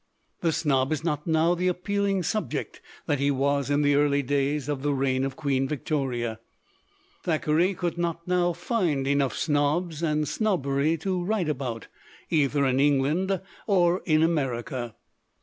"The snob is not now the ap pealing subject that he was in the early days of the reign of Queen Victoria. Thackeray could not now find enough snobs and snobbery to write about, either in England or in America.